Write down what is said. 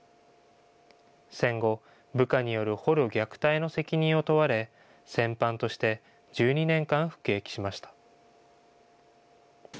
戦後、部下による捕虜虐待の責任を問われ、戦犯として１２年間服役しました。